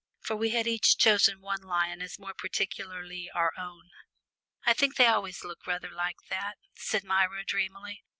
For we had each chosen one lion as more particularly our own. "I think they always look rather like that," said Myra dreamily.